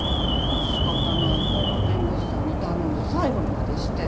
仕方ないから弁護士さんに頼んで裁判までして。